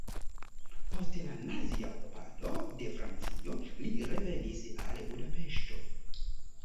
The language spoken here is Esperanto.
Post la nazia okupado de Francio li revenis al Budapeŝto.